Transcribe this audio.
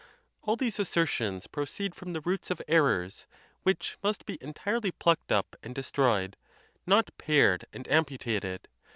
All these assertions proceed from the roots of errors, which must be entirely plucked up and destroyed, not pared and amputated.